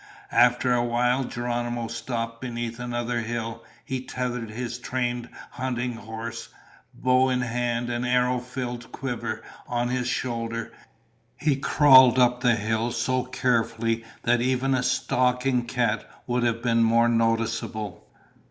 After a while Geronimo stopped beneath another hill. He tethered his trained hunting horse. Bow in hand and arrow filled quiver on his shoulder, he crawled up the hill so carefully that even a stalking cat would have been more noticeable.